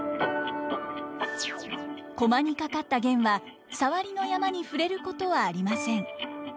駒にかかった絃はサワリの山に触れることはありません。